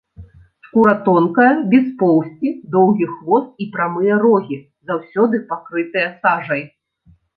Скура тонкая, без поўсці, доўгі хвост і прамыя рогі, заўсёды пакрытыя сажай.